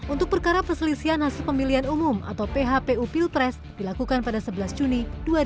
untuk perkara perselisihan hasil pemilihan umum atau phpu pilpres dilakukan pada sebelas juni dua ribu dua puluh